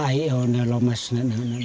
bagaimana kita bisa menjaga alam